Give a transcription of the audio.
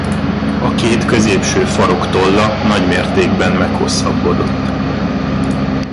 A két középső farok tolla nagymértékben meghosszabbodott.